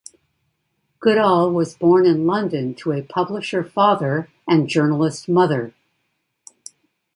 Goodall was born in London to a publisher father and journalist mother.